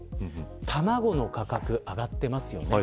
卵の価格、上がってますよね。